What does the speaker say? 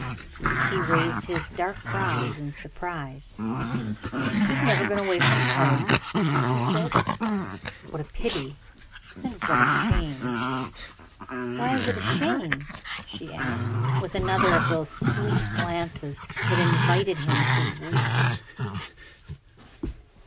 He raised his dark brows in surprise. "You have never been away from home?" he said; "what a pity, and what a shame!" "Why is it a shame?" she asked, with another of those sweet glances that invited him to woo her.